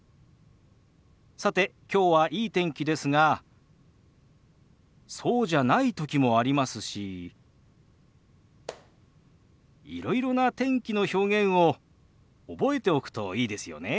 さてきょうはいい天気ですがそうじゃない時もありますしいろいろな天気の表現を覚えておくといいですよね。